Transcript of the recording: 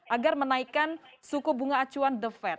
agar menaikkan suku bunga acuan default